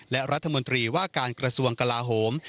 และรัฐมนตรีว่าการกระทรวงกลาโหม